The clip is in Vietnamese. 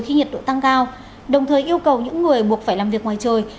khi nhiệt độ tăng cao đồng thời yêu cầu những người buộc phải làm việc ngoài trời